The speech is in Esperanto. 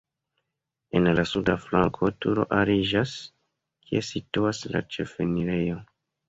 En la suda flanko turo aliĝas, kie situas la ĉefenirejo.